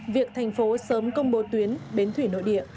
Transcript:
việc thành phố sớm công bố tuyến bến thủy nội địa